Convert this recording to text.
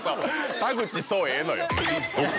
田口壮ええのよ。